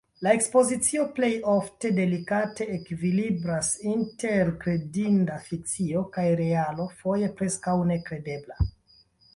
La ekspozicio plej ofte delikate ekvilibras inter kredinda fikcio kaj realo foje preskaŭ nekredebla.